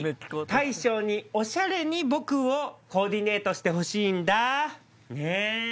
大将にオシャレに僕をコーディネートしてほしいんだ。ねぇ！